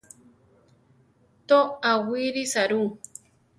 To, awírisa ru.